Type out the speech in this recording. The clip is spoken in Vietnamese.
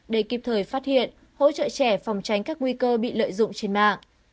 để kịp thời phát hiện hỗ trợ trẻ phòng tránh các nguy cơ bị lợi dụng trên mạng